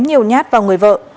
nhiều nhát vào người vợ